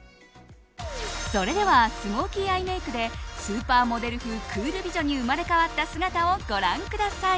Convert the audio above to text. それではスモーキーアイメイクでスーパーモデル風クール美女に生まれ変わった姿をご覧ください。